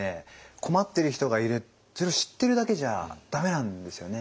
困ってる人がいるって知ってるだけじゃ駄目なんですよね。